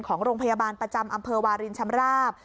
ของโรงพยาบาลประจำอำเภอวารินชำราบ